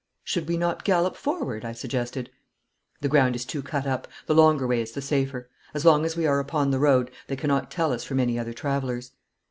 'Should we not gallop forward?' I suggested. 'The ground is too cut up. The longer way is the safer. As long as we are upon the road they cannot tell us from any other travellers.'